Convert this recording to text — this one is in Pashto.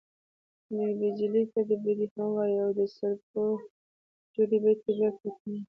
بیجلي ته بډۍ هم وايي او، د سرپو جوړي بډۍ ته بیا کوټین وايي.